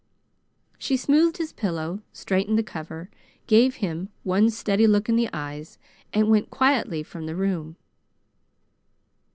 She smoothed his pillow, straightened the cover, gave him one steady look in the eyes, and went quietly from the room.